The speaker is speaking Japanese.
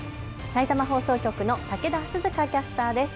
さいたま放送局の武田涼花キャスターです。